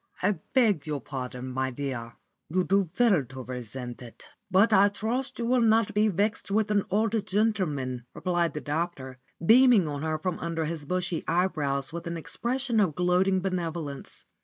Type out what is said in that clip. I beg your pardon, my dear. You do well to resent it, but I trust you will not be vexed with an old gentleman," replied the doctor, beaming on her from under his bushy eyebrows with an expression of gloating benevolence.